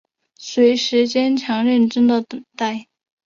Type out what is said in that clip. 随时坚强认真的等待